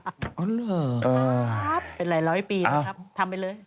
อ๋อเหรอเป็นไหล่ร้อยปีไหมครับทำไปเลย